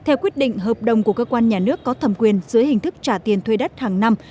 theo quyết định hợp đồng của cơ quan nhà nước có thẩm quyền dưới hình thức trả tiền thuê đất hàng năm